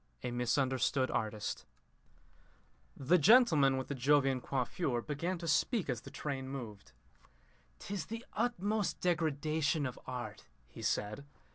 A MISUNDERSTOOD ARTIST The gentleman with the Jovian coiffure began to speak as the train moved. "'Tis the utmost degradation of art," he said.